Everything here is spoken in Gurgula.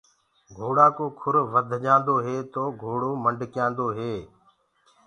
گھوڙآ ڪو کُر وڌجآندو هي تو گھوڙو مڊڪيآندو هي۔